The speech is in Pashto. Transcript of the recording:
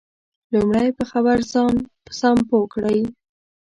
لمړی په خبر ځان سم پوه کړئ